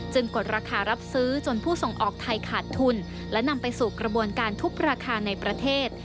กดราคารับซื้อจนผู้ส่งออกไทยขาดทุนและนำไปสู่กระบวนการทุบราคาในประเทศ